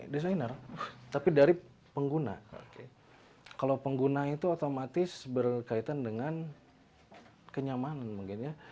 desainer tapi dari pengguna kalau pengguna itu otomatis berkaitan dengan kenyamanan mungkin ya